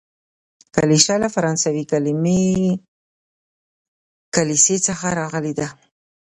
کلیشه له فرانسوي کليمې کلیسې څخه راغلې ده.